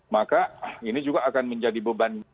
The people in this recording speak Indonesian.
maka ini juga akan menjadi beban